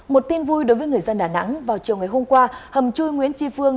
một tin vui đối với người dân đà nẵng vào chiều ngày hôm qua hầm chui nguyễn tri phương